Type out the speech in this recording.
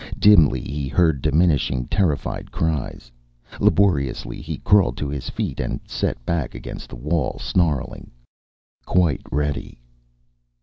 Dimly he heard diminishing, terrified cries. Laboriously he crawled to his feet and set back against the wall, snarling, quite ready....